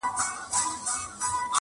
رواج دى او رواج دى جهالت تردې به څۀ وي؟